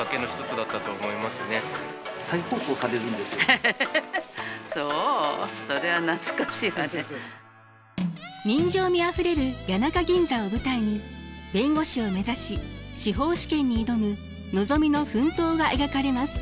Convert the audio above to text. エヘヘそう人情味あふれる谷中銀座を舞台に弁護士を目指し司法試験に挑むのぞみの奮闘が描かれます。